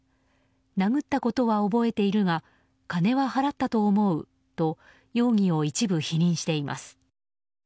殴ったことは覚えているが金は払ったと思うと容疑を一部否認しています。